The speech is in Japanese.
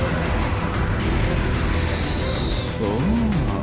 おお。